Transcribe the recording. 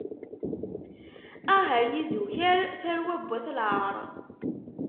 Ah ay izukar, tarwa n wat lɛaṛ.